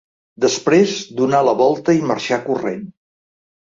Després donà la volta i marxà corrent.